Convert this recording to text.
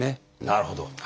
なるほど。